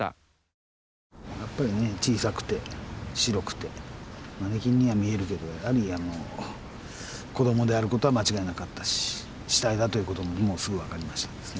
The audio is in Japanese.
やっぱりね小さくて白くてマネキンには見えるけどやはり子どもであることは間違いなかったし死体だということももうすぐ分かりましたですね。